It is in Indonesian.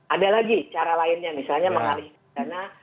ada lagi cara lainnya misalnya mengalihkan dana